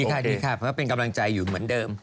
ค่ะดีค่ะเพราะเป็นกำลังใจอยู่เหมือนเดิม